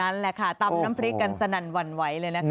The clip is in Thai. เท่านั้นแหละค่ะตั้มน้ำพริกกันสนั่นวันไหวเลยนะครับ